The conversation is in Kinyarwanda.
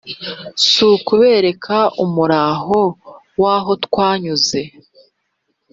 sukubereka umuraho waho twanyuze?"